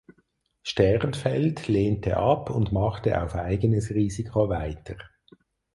Sternfeld lehnte ab und machte auf eigenes Risiko weiter.